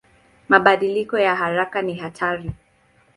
Mabadiliko ya haraka ni hatari.